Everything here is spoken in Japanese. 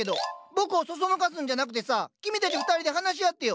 僕をそそのかすんじゃなくてさ君たち二人で話し合ってよ。